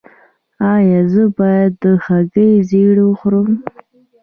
ایا زه باید د هګۍ ژیړ وخورم؟